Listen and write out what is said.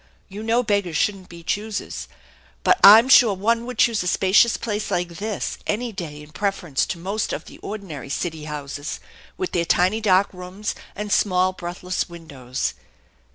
You know beggars shouldn't be choosers, but I'm sure one would choose a spacious place like this any day in preference to most of the ordinary city houses, with their tiny dark rooms, and small breathless windows."